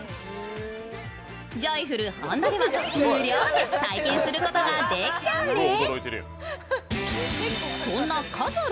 ジョイフル本田では無料で体験することができちゃうんです。